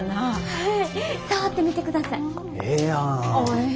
はい。